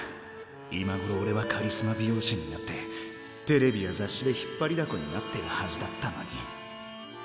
今ごろおれはカリスマ美容師になってテレビや雑誌で引っ張りだこになってるはずだったのに。